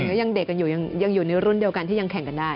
ก็ยังเด็กกันอยู่ยังอยู่ในรุ่นเดียวกันที่ยังแข่งกันได้